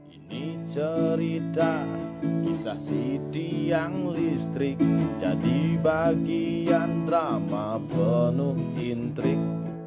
ini cerita kisah si tiang listrik jadi bagian drama penuh intrik